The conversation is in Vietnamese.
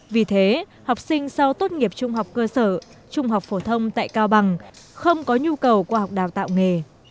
vì thế học sinh sau tốt nghiệp trung học cơ sở trung học phổ thông tại cao bằng không có nhu cầu qua học đào tạo nghề